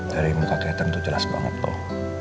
dari muka twitter tuh jelas banget tuh